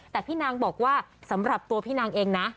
แต่พี่นางบอกว่าสำหรับตัวพี่นางเองนะ